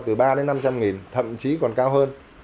từ ba đến năm trăm linh nghìn thậm chí còn cao hơn